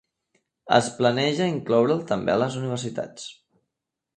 Es planeja incloure'l també a les universitats.